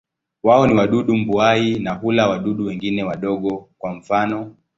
Wao ni wadudu mbuai na hula wadudu wengine wadogo, kwa mfano.